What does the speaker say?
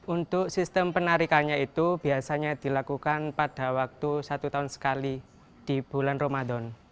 untuk sistem penarikannya itu biasanya dilakukan pada waktu satu tahun sekali di bulan ramadan